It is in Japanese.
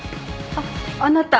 あっあなた